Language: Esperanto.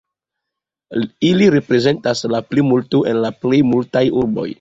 Ili reprezentas la plimulton en la plej multaj urboj.